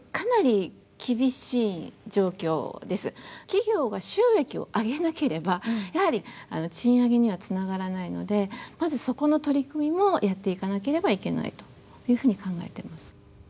企業が収益を上げなければやはり賃上げにはつながらないのでまずそこの取り組みをやっていかなければいけないというふうに考えてます。